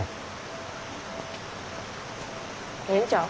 ええんちゃう？